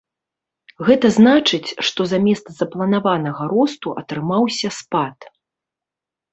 Гэта значыць, што замест запланаванага росту атрымаўся спад.